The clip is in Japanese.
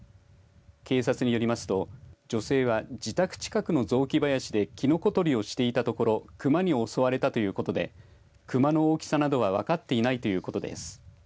警察によりますと女性は自宅近くの雑木林でキノコ採りをしていたところクマに襲われたということでクマの大きさなどは分かっていないということです。